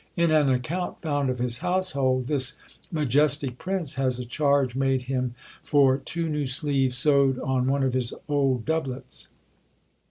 In an account found of his household, this majestic prince has a charge made him for two new sleeves sewed on one of his old doublets.